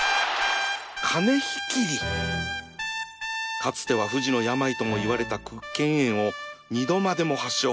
かつては不治の病ともいわれた屈腱炎を二度までも発症